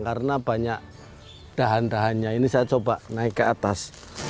karena banyak dahan dahannya ini saya coba naik ke atas